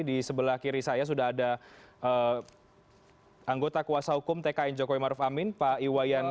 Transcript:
di sebelah kiri saya sudah ada anggota kuasa hukum tkn jokowi maruf amin pak iwayan